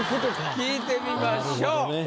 聞いてみましょう。